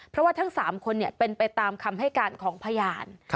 เพราะว่าทั้ง๓คนเป็นไปตามคำให้การของพยาน